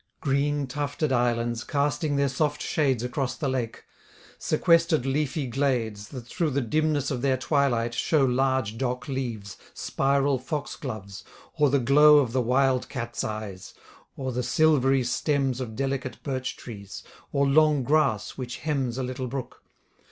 Green tufted islands casting their soft shades Across the lake; sequester'd leafy glades, That through the dimness of their twilight show Large dock leaves, spiral foxgloves, or the glow Of the wild cat's eyes, or the silvery stems Of delicate birch trees, or long grass which hems A little brook.